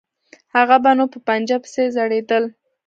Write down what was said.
هغه به نو په پنجه پسې ځړېدل.